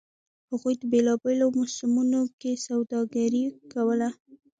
هغوی په بېلابېلو موسمونو کې سوداګري کوله